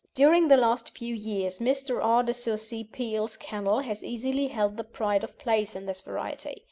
During the last few years Mr. R. de Courcy Peele's kennel has easily held the pride of place in this variety.